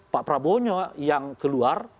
pak prabowo yang keluar